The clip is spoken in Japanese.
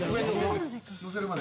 載せるまで。